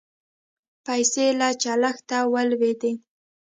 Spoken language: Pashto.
پیسې له چلښته ولوېدې